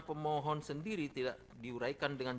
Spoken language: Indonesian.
pemohon sendiri tidak diuraikan dengan